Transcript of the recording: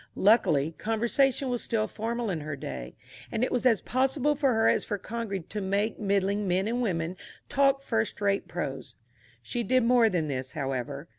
Luckily, conversation was still formal in her day, and it was as possible for her as for Congreve to make middling men and women talk first rate prose. She did more than this, however.